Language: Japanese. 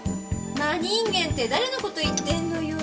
真人間って誰の事言ってんのよ。